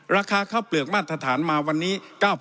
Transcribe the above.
ราคาข้าวเปลือกมาตรฐานมาวันนี้๙๐๐